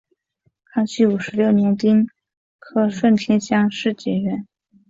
康熙五十六年丁酉科顺天乡试解元。